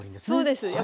そうです。